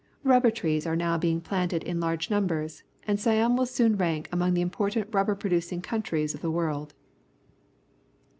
Rubber trees are now being planted in large numbers, and Siam will soon rank among the important rubber producing countries of the world.